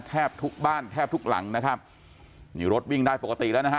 แทบทุกบ้านแทบทุกหลังนะครับนี่รถวิ่งได้ปกติแล้วนะฮะ